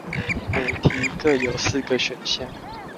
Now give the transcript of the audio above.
每題各有四個選項